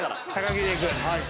木でいく。